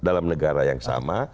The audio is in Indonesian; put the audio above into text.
dalam negara yang sama